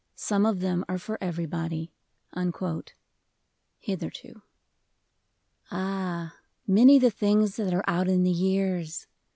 Some of them are for everybody. — Hitherto. ilH, many the things that are out in the years